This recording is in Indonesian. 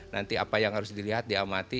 nanti apa yang harus dilihat diamati